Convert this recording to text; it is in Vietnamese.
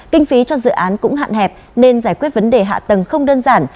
kinh phí cho dự án cũng hạn hẹp nên giải quyết vấn đề hạ tầng không đơn giản